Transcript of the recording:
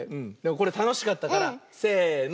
これたのしかったからせの。